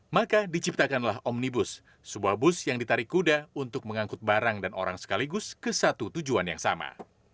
maka diciptakanlah omnibus sebuah bus yang ditarik kuda untuk mengangkut barang dan orang sekaligus ke satu tujuan yang sama